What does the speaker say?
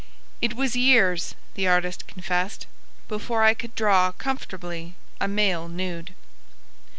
"It was years," the artist confessed, "before I could draw, comfortably, a male nude."